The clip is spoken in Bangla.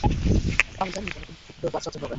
আমি জানি জনগণকে কীভাবে বাঁচাতে হবে।